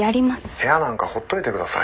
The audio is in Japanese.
部屋なんかほっといてください。